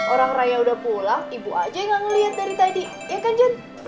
orang raya udah pulang ibu aja yang ngeliat dari tadi ya kan jan